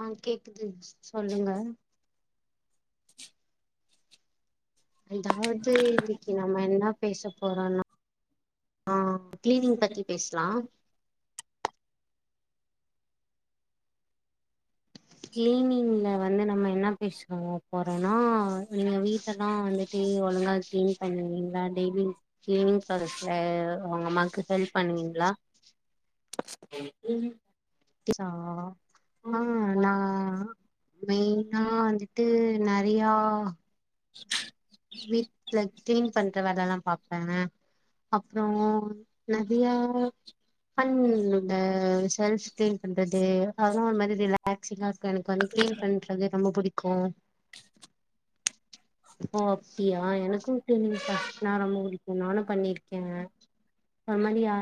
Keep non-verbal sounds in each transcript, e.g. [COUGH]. ஆ கேக்குது கேக்குதுங்க சொல்லுங்க [UNINTELLIGIBLE] அதாவது இன்னிக்கி நம்ப என்னா பேச போறானா ஆ கிளீனிங் பத்தி பேசலாம் கிளீனிங்ல வந்து நம்ம என்ன பேசறோங்க போறோம்னா நீங்க வீட்ட எல்லாம் வந்துட்டு ஒழுங்கா கிளீன் பண்ணீங்களா டெய்லி கிளீனிங் ப்ராசஸ்ல அவங்க அம்மாக்கு ஹெல்ப் பண்ணுவீங்களா [UNINTELLIGIBLE] ஆ ஆ நான் மெயினா வந்துட்டு நெறைய [UNINTELLIGIBLE] வீடல கிளீன் பண்ற வேலை எல்லாம் பாப்பேன் அப்பறம் நெறைய பண்ண ஷல்ஃப் கிளீன் பண்றது அதெல்லாம் ஒரு மாரி ரிலாக்சிங்கா இருக்கும் எனக்கு வந்து கிளீன் பண்றது ரொம்ப படிக்கும் கோ ஓ அப்டியா எனக்கும் கீளின் புரோஷஸ்ன ரொம்ப பிடி நானும் பண்ணிருக்கேன் அது மாரிஅ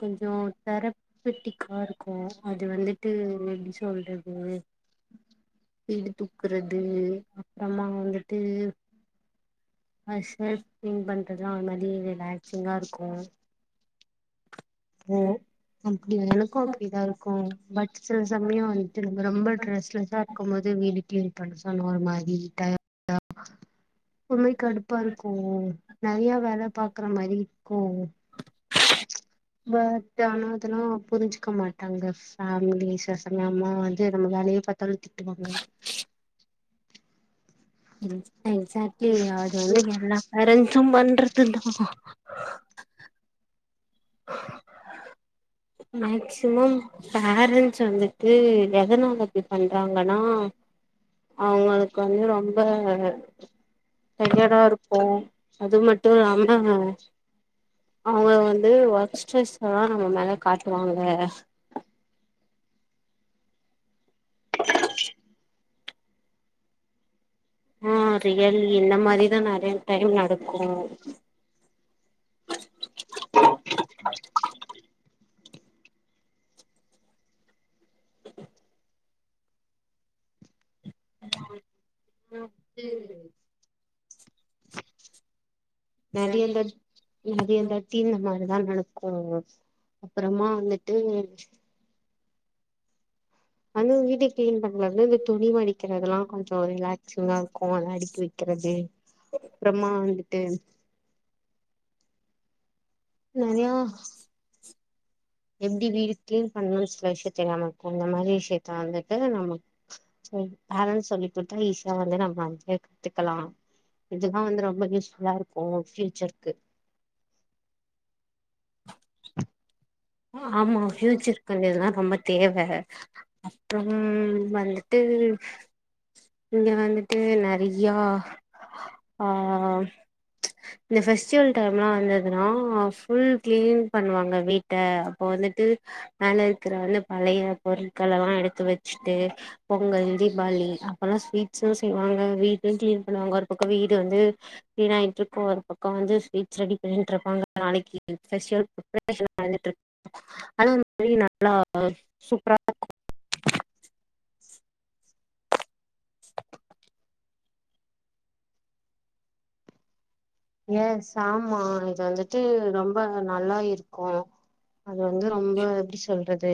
கொஞ்சம் தரப்பெட்டிக்கா இருக்கும் அது வந்துட்டு எப்டி சொல்றது பீடி துக்கறது து அப்பறமா வந்து ஷல்ஃப் கிளின் பண்றதுலாம் அ மாரி ரிலாக்சிங்கா இருக்கும் ஒ அப்டியா எனக்கும் அப்டிதான் இருக்கும் பட் சில சமயம் வந்துட்டு நம்ம ரொம்ப ட்ரெஸ்லெஸ்ஸா இருக்கும் போது வீட்டு கிளீன் படசன் மாதிரி [INAUDIBLE] உண்ம கடுப்பா இருக்கும் நெறைய வேல பாக்குற மாரி இருக்கும் பட் ஆனா அதெல்லாம் புரிஞ்சுக்க மாட்டேன் அங்க ஃபமிலி சசங்க அம்மா வந்து நம்ம வேலயே பாத்தாலும் திட்டுவாங்க ம் எக்ஸாக்ட்லி அது வந்து எல்லா பேரண்ட்ஸும் பண்றதுதான் மேக்சிமம் பேரண்ட்ஸ் வந்துட்டு எதனால அப்டி பண்றாங்கன்னா அவங்களுக்கு வந்து ரொம்ப டய்டா இருக்கும் அது மட்டும் இல்லாம அவங்க வந்து ஏய் ஒர்க் டெஸ்டெல்லாம் நம்ம மேல காட்டுவாங்க ஆ ரியல் இந்த மாரிதான் நெறைய டைம் நடக்கும் ஆ [UNINTELLIGIBLE] நெறைய தாட்டி நெறைய தாட்டி இந்த மாதரி அதான் நடக்கும் அப்பறமா வந்துட்டு அ வீட்ட கிளீன் பண்றது இந்த துணிவ மடிக்கிறதுதெல்லாம் கொஞ்சம் ரிலாக்சிங்கா இருக்கும் அத அடிக்கி வைக்கிறது அப்பறமா வந்துட்டு நல எப்படி வீடு களீன் பண்ணணுமுன்னு சில விஷயம் தெரியாமல் இருக்கும் இந்த மாதிரி விஷயத்த வந்துட்டு நம்ம பேர சொல்லி கொடுத்தா ஈஸியா வந்து நம்ம வந்து கத்துக்கலாம் இதுதான் வந்து ரொம்ப யூஸ்ஃபுல்லா இருக்கும் பியூச்சர்கக்கு ஆமா பியூச்சருக்கு வந்ததுதான் ரொம்ப தேவை அப்புறம் வந்துட்டு இங்க வந்துட்டு நிறைய ஆஹ இந்த பெஃபெஸ்டிவல் டைம்லாம் வந்ததுன்னா புல் கிளீன் பண்ணுவாங்க வீட் அப்ப வந்துட்டு மேல இருக்கிற வந்து பழைய பொருட்க எல்லாம் எடுத்து வச்சுட்டு பொங்கல் தீபாவளி அப்பெல்லாம் ஸ்வீட்ஸ்லாம் செய்வாங்க வீடயும் கிளீன் பண்ணுவாங்க ஒரு பக்கம் வீடு வந்து கிளீன் ஆயிக்கிட்டு இருக்கும் ஒரு பம் வந்துஸ்வீட்ஸ் ரெடி பண்ணிட்டு இருப்பாங்க நாளைக்கு ந்துட்டு இரு அந்த மாதிரி நல்லா சூப்பரா இருக்கும் ஏ ஆமாம் இது வந்துட்டு ரொம்ப நல்லா இருக்கும் அது வந்து ரொம்ப எப்படி சொல்றது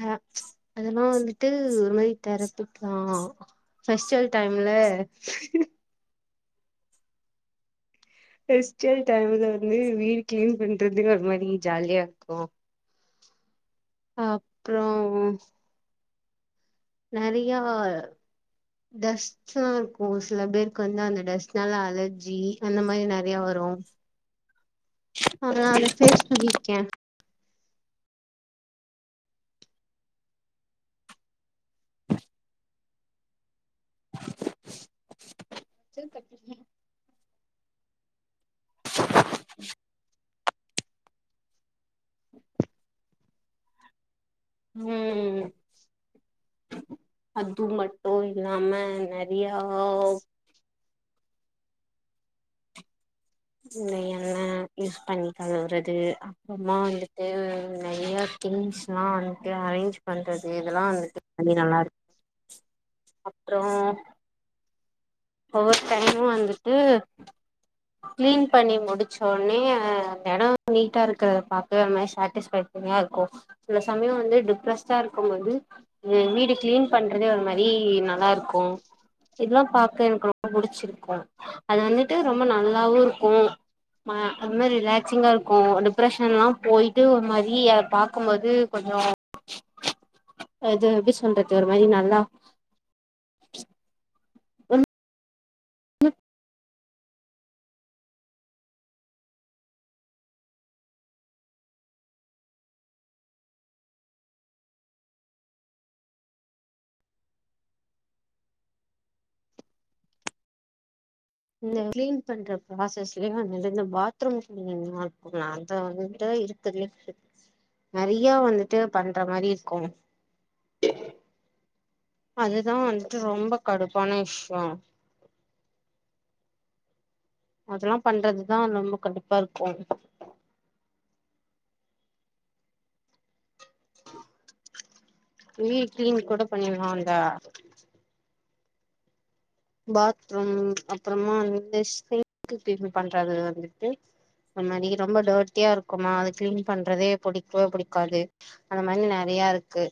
அஹ அதெல்லாம் வந்துட்டு ஒருமதி திறப்பிக்கலாம் பெஸ்டிவல் டைம்ல பெஸ்டிவல்ல டையமுல்ல வந்து வீடு கிளீன் பண்றது ஒரு மாதிரி ஜாலியா இருக்கும் அப்புறம் நிறைய டஸ்ட்ல்லாம் இருக்கும் சில பேருக்கு வந்து அந்த டஸ்ட்னால அலர்ஜி அந்த மாதிரி நிறைய வரும் ஆ பேஸ் க்கே வ தப்ப [INAUDIBLE] உம் [INAUDIBLE] அது மட்டும் இல்லாம நிறைய இ என்ன யூஸ் பண்ணி தழுவுறது அப்புறமா வந்துட்டு நிறைய திங்ஸ் எல்லாம் வந்துட்டு அரேஞ்ச் பண்றது இதெல்லாம் வந்துட்டு தி நல்லா இருக்கும் அப்புறம் ஒவ டைமும் வந்துட்டு கிளீன் பண்ணி முடிச்ச உடனே அந்த இடம் நீட்டா இருக்கறத பார்வே ஒரு மாதிரி சாட்டிஸ்ஃபரியா இருக்கும் சில சமயம் வந்து டிப்ரெஸ்டா இருக்கும்போது வீடு கிளீன் பண்றதே ஒரு மாதிரி நல்லா இருக்கும் இதெல்லாம் எனக்கு ரொம்ப பிடிச்சிருக்கும் அது வந்துட்டு ரொம்ப நல்லாவும் இருக்கும் அது மா ரிலாக்சிங்கா இருக்கும் ஓ டிப்ரெஷன் எல்லாம் போயிட்டு ஒரு மாதிரி பார்க்கும்போது கொஞ்சம் எது எப்படி சொல்றது ஒரு மாதிரி நல்லா உ உ பண்ற பராசஸ்லய வ பாத்ரூம் இருக்கும்ங்களா அது வந்துட்டு இருக்குது நிறைய வந்துட்டு பண்ற மாதிரி இருக்கும் ஆ அதுதான் வந்துட்டு ரொம்ப கடுப்பான விஷயம் அதெல்லாம் பண்றதுதான் ரொம்ப கடுப்பா இருக்கும் [INAUDIBLE] வீ கிளீன் கூட பண்ணலாம்டா பாத்ரூம் அப்புறமா வந்து கிளன் பண்றது வந்துட்டு அ மாதிரி ரொம்ப டர்டியா இருக்குமா அது கிளீன் பண்றதே பிடிக்கவே பிடிக்காது அந்த மாதிரி நிறைய இருக்கு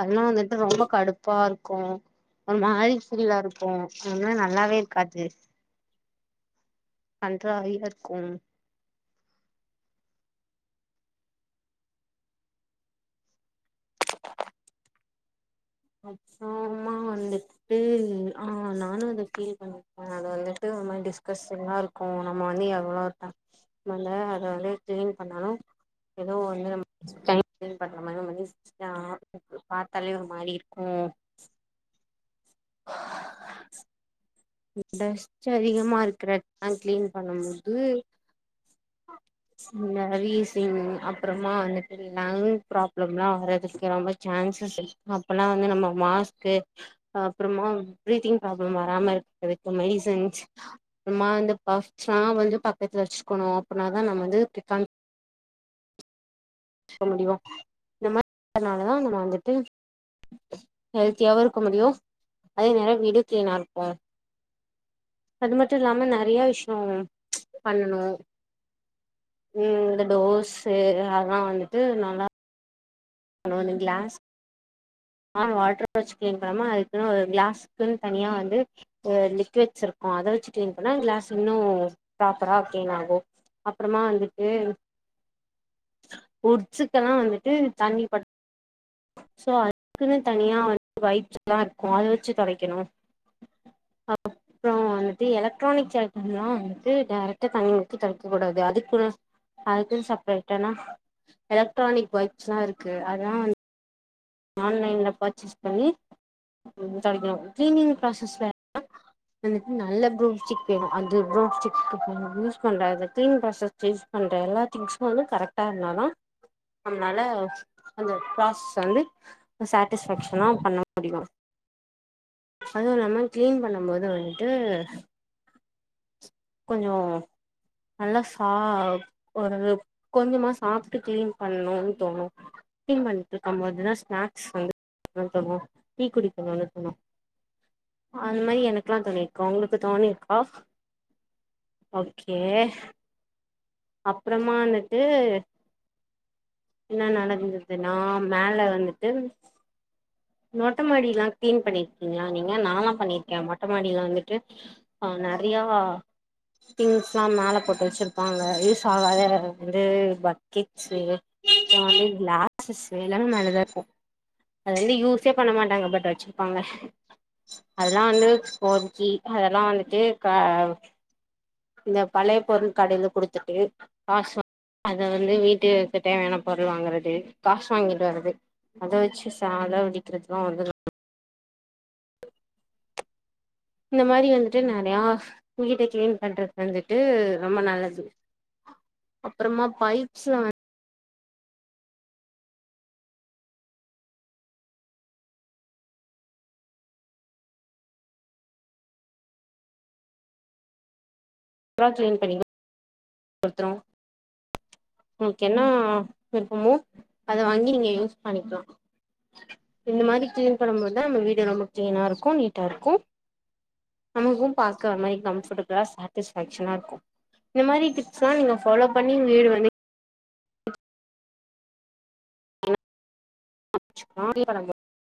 அதெல்லாம் வந்துட்டு ரொம்ப கடுப்பா இருக்கும் ஒரு மாறி பீல்லா இருக்கும் அத நல்லாவே இருக்காது கன்றாவியா இருக்கும் மா வந்துட்டு ஆஹ் நானும் அத பீல் பண்ணிருப்பேன் அத வந்துட்டு டிஸ்கஸ் எல்லா இருக்கும் நம்ம வந்து எவளோ நம்மளே அதால கிளீன் பண்ணாலும் ஏதோ வந்து பண்ற மாதிரி நம பார்த்தாலே ஒரு மாதிரி இரு உம் ஆஹ ஸ்ட்டு அதிகமா இருக்கற ந் கிளீன் பண்ணுமமுபோது இந்த ரீசிங் அப்புறமா வந்து லங் ப்ராப்ளம் எல்லாம் வர்துக்கு ரொம்ப சான்சஸ் இரு அப்பெல்லாம் வந்து நம்ம மாஸ்க்கு அப்புறமா பீத்திங் ப்ராப்ளம் வராம இருக்க வித் மெடிசன்ஸ் அப்புறமா பப்சல்லாம் வந்து பக்கத்துல வச்சுக்கணும் அப்பனாதான் நம்ம வந்து த மு இந்த மாதிரினாலதான் நம்ம வந்துட்டு ஹெல்த்தியாவும் இருக்க முடியும் அதே நேரம் வீடு கிளீனா இருக்கும் அது மட்டும் இல்லாம நிறைய விஷயம் பண்ணணும் உம் இந்த டோஸ் அதெல்லாம் வந்து ட்டு நல்லா பனொணு கிளாஸ் ஹ வாட்ட வச்சு கிளன் பண்ண அதுக்குன்ன ஒரு கிளாஸக்குன்னு தனியா வந்துலட்ஸ் இருக்கும் அத வச்சு கிள ப களா இன்னும் பராப்பரா கிளீன் ஆகும் அப்புறமா வந்துட்டு உட்ஷுக்கெல்லாம் வந்து தண்ணி போ அதுக்குன்னு தனியா வந்து வைப்ஸ் எல்லாம் இருக்கும் அத வச்சு துடக்கணும் அப்பறம் வந்துட்டு எலக்ட்ரானிக் எல்லாம் வந்துட்டு டைரக்ட்டா தனி வக்கு துலைக்கக்க கூடாது அதுக்குள்ள அதுக்குன்ன செப்பரேட் ஆனா எலக்ட்ரானிக் வைப்ஸ் எல்லாம் இருக்கு அதெல்லாம் வந்து ஆன்லைன்ல பர்ச்சேஸ் பண்ணி தொடக்கணும் க்ளீனங பிரோசெஸ் வே வந்துட்டு நல்ல பரூபிஸ்டிக் அது பிரூம்ஸ்டிக் யூஸ் பண்ணுற அது க்ளீன் ப்ராசஸ் யூஸ் பண்ணுற எல்லா திங்ஸம் வந்து கரெக்டா இருந்தா தான் நம்மளால அந்த ப்ராஸஸ் வந்து சாட்டிஸபேக்ஷனா பண்ண முடியும் அதுவும் இல்லாம கிளீன் பண்ணும்போது வந்துட்டு கொஞ்சம் நல்லா சா ஒரு கொஞ்சமா சாப்பட்டு கிளீன் பண்ணணும்னு தோணும் கிளீன் பண்ணிட்டு இருக்கும் போதுதான் ஸ்நாக்ஸ் வந்துனு தோணும் டீ குடிக்கணும்னு தோணும் அந்த மாரி எனக்குல்லாம் தோனி இருக்கு உங்களுக்கு தோணி இருக்கா ஓகே அப்பறமா வந்துட்டு என்ன நடந்ததுன்னா மேல வந்துட்டு மொட்ட மாடில்லாம் கிளீன் பண்ணிருக்கீங்களா நீங்க நானல்லாம் பண்ணிருக்கேன் மொட்ட மாடில வந்துட்டு ஆ நெறைய திங்ஸ் எல்லாம் மேல போட்டு வச்சிருப்பாங்க யூஸ் ஆகாத வந்து கிச்ச சண்டிலா சிஸ்டர் எல்லாமே மேலதான் இருக்கும் அது வந்து யூஸ் யூஸ்யே பண்ண மாட்டாங்க பட் வச்சுருப்பாங்க அதெல்லாம் வந்து பொரிக்கி அதெல்லாம் வந்துட்டு இந்த பழய பொருள் கடயில் கொடுத்துட்டு காசு அத வித்துட்டு வீட்டுகு தேவையான பொருள் வாங்கறது காசு வாங்கிட்டு வர்றது அத வச்சு சலை விடி அலாம் [INAUDIBLE] வந்துட்டு இந்த மாரி வந்துட்டு நெறைய வீட்ட கிளீன் பண்றது வந்துட்டு ரொம்ப நல்லது அப்பறமா பைப்ஸ்ல வந்து எ க்ளீன் பண்ணிங்கன ஒருத்தரும் னப்பமோ அத வாங்கி நீங்க யூஸ் பண்ணிக்கலாம் இந்த மாரி கிளீன் பண்ணும்பதுதான் நமப வீடு ரொம்ப கிளீனா இருக்கும் நீட்டா இருக்கும் நமக்கும் ப்கா மாரி கம்பரபளா சட்டினா இருக்கும் இந்த மாரி டிப்ஸ்ல நீங்க பொல்லொவ் பண்ணி வீடு வந்து [INAUDIBLE]